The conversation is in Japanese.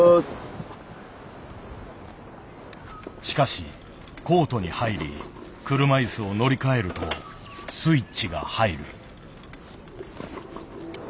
しかしコートに入り車いすを乗り換えるとスイッチが入る。